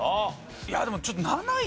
いやでもちょっと７位。